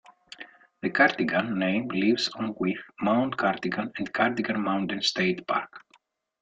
The Cardigan name lives on with Mount Cardigan and Cardigan Mountain State Park.